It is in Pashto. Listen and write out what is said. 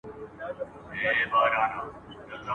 نیلی د خوشحال خان چي په دې غرونو کي کچل دی !.